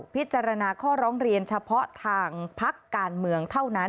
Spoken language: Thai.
พิจารณาข้อร้องเรียนเฉพาะทางพักการเมืองเท่านั้น